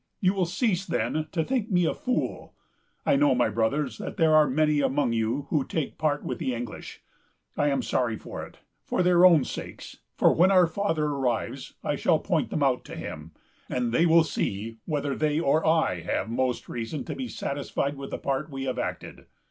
You will cease then to think me a fool. I know, my brothers, that there are many among you who take part with the English. I am sorry for it, for their own sakes; for when our Father arrives, I shall point them out to him, and they will see whether they or I have most reason to be satisfied with the part we have acted.